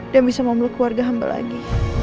dan bisa memiliki keluarga hamba lagi